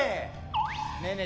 ねえねえ